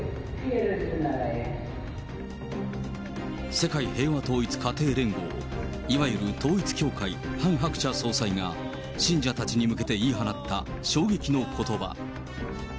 世界平和統一家庭連合、いわゆる統一教会、ハン・ハクチャ総裁が信者たちに向けて言い放った衝撃のことば。